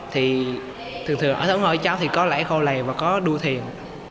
thì thường thường ở thống hồi cháu thì có lễ khao lề và có đua thuyền